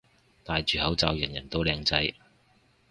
戴住口罩人人都靚仔